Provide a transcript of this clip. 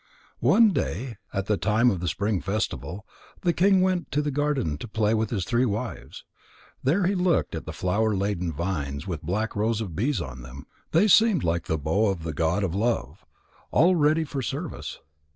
One day at the time of the spring festival, the king went to the garden to play with his three wives. There he looked at the flower laden vines with black rows of bees on them; they seemed like the bow of the god of love, all ready for service.